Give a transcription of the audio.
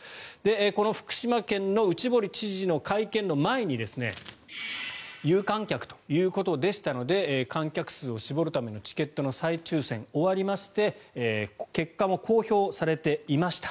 この福島県の内堀知事の会見の前に有観客ということでしたので観客数を絞るためのチケットの再抽選が終わりまして結果も公表されていました。